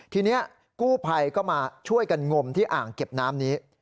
ทีนี้กู้ภัยก็มาช่วยกันงมที่อ่างเก็บน้ำนี้